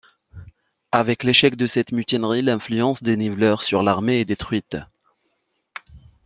Avec l'échec de cette mutinerie, l'influence des niveleurs sur l'Armée est détruite.